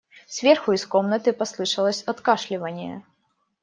Сверху из комнаты послышалось откашливание.